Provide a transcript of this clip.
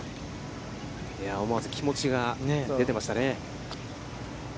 思わず気持ちが出てましたね。